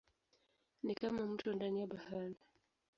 Ni kama mto ndani ya bahari.